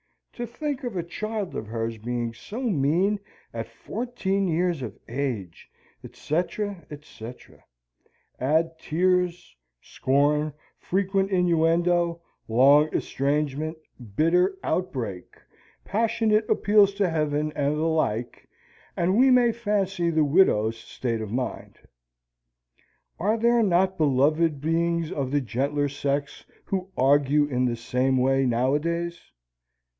To think of a child of hers being so mean at fourteen year of age! etc. etc. Add tears, scorn, frequent innuendo, long estrangement, bitter outbreak, passionate appeals to Heaven, and the like, and we may fancy the widow's state of mind. Are there not beloved beings of the gentler sex who argue in the same way nowadays?